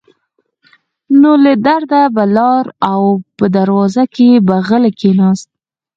نو له درده به لاړ او په دروازه کې به غلی کېناست.